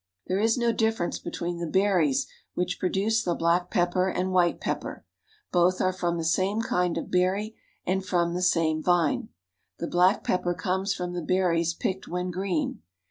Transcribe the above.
There is no difference between the berries which produce the black pepper and white pepper. Both are from the same kind of berry and from the same vine. The black pepper comes from the berries picked when green.